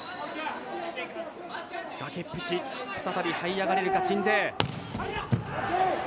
崖っぷち再びはい上がれるか鎮西。